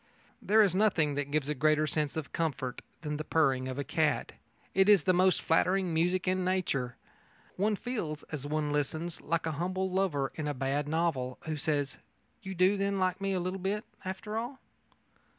There is nothing that gives a greater sense of comfort than the purring of a cat. It is the most flattering music in nature. One feels, as one listens, like a humble lover in a bad novel, who says: "You do, then, like me a little after all?"